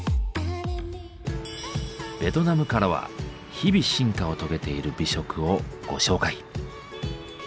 ベトナムからは日々進化を遂げている美食をご紹介。